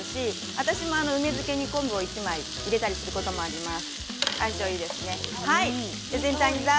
私も梅漬けに昆布を入れたりすることもあります。